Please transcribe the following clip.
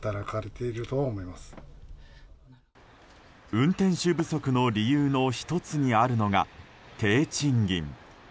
運転手不足の理由の１つにあるのが低賃金。